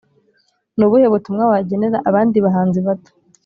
ni ubuhe butumwa wagenera abandi bahanzi bato